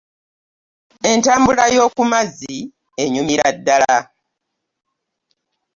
Entambula y'okumazzi ennyumira ddala